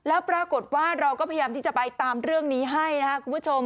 แล้วปรากฏว่าเราก็พยายามที่จะไปตามเรื่องนี้ให้นะครับคุณผู้ชม